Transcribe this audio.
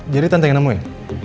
jadi tante yang nemuin